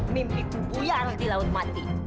mimpiku buyar di laut mati